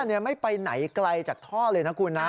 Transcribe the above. อันนี้ไม่ไปไหนไกลจากท่อเลยนะคุณนะ